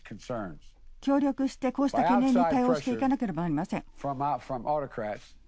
協力してこうした懸念に対応していかなければなりません。